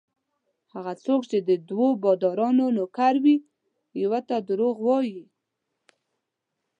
هغه څوک چې د دوو بادارانو نوکر وي یوه ته درواغ وايي.